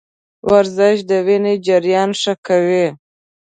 ورزش د وینې جریان ښه کوي.